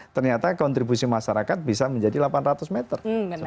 ternyata kontribusi masyarakat bisa menjadi delapan ratus meter